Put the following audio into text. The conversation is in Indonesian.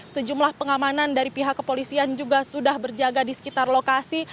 sejumlah pengamanan dari pihak kepolisian juga sudah berjaga di sekitar lokasi